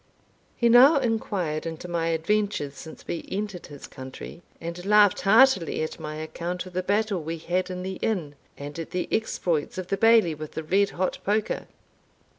He now inquired into my adventures since we entered his country, and laughed heartily at my account of the battle we had in the inn, and at the exploits of the Bailie with the red hot poker.